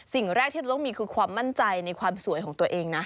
สิ่งแรกที่เราต้องมีคือความมั่นใจในความสวยของตัวเองนะ